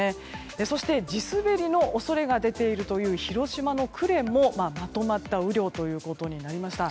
そして地滑りの恐れが出ているという広島の呉もまとまった雨量となりました。